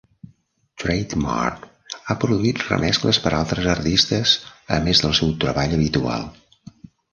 Trademark ha produït remescles per a altres artistes, a més del seu treball habitual.